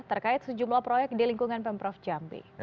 terkait sejumlah proyek di lingkungan pemprov jambi